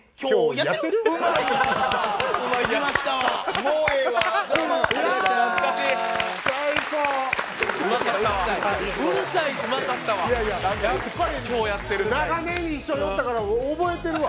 やっぱり長年一緒におったから覚えてるわ。